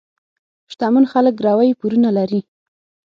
شتمن خلک ګروۍ پورونه لري.